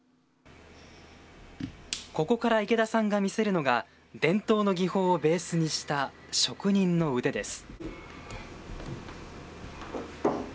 ここから池田さんが見せるのが、伝統の技法をベースにした職人の腕です。